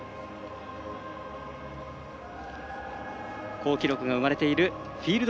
好記録が生まれているフィールド